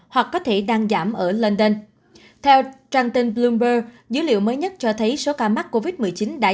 hoặc có thể đang giảm ở london theo bloomberg dữ liệu mới nhất cho thấy số ca mắc covid một mươi chín đã